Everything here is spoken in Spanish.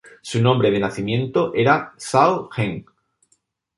Su nombre de nacimiento era Zhao Heng.